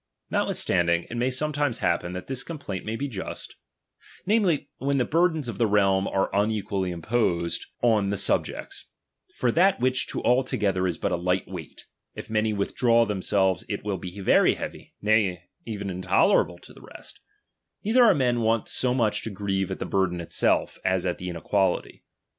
Not withstanding, it may sometimes happen that this complaint may be just ; namely, when the burthens of the realm are unequally imposed on the sub jects ; for that which to all together is but a light w eight, if many withdraw themselves it will be Very heavy, nay, even intolerable to the rest ; neither are men wont so much to grieve at the burthen itself, as at the inequality.